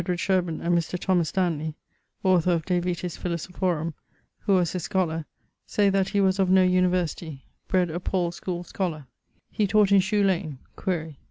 Shirburne, and Mr. Stanley ( de vitis philosophorum, who was his scholar), say that he was of no University: bred a Paule's schole scholar. He taught in Shoe lane: quaere.